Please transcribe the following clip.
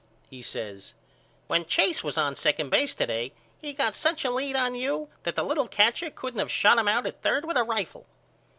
He says When Chase was on second base to day he got such a lead on you that the little catcher couldn't of shot him out at third with a rifle.